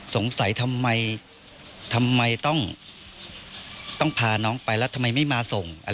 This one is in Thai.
สงสัยทำไมทำไมต้องพาน้องไปแล้วทำไมไม่มาส่ง